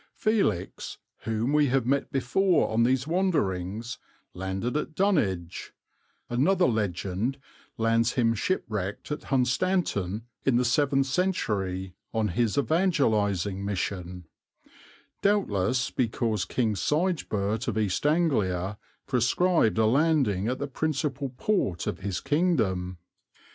Felix, whom we have met before on these wanderings, landed at Dunwich (another legend lands him shipwrecked at Hunstanton) in the seventh century, on his evangelizing mission; doubtless because King Sigeberht of East Anglia prescribed a landing at the principal port of his kingdom.